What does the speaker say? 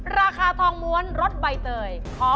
ราคาทองม้วนรสใบเตย